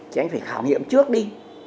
chứ anh phải khảo nghiệm trước đi